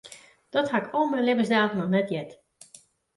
Dat ha ik al myn libbensdagen noch net heard.